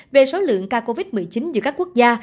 về số lượng ca covid một mươi chín giữa các quốc gia